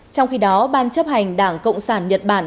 trong khi đó ban chấp hành đảng cộng sản nhật bản